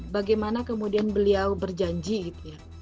bagaimana kemudian beliau berjanji gitu ya